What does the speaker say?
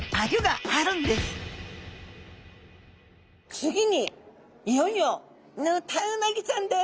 つぎにいよいよヌタウナギちゃんです。